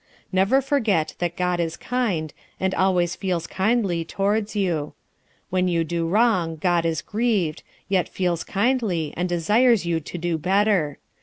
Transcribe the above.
Never forget that God is kind, and always feels kindly towards you. When you do wrong God is grieved, yet feels kindly, and desires you to do better.